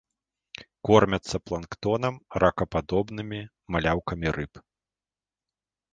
Кормяцца планктонам, ракападобнымі, маляўкамі рыб.